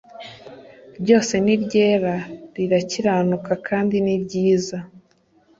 ryose ni iryera rirakiranuka kandi ni ryiza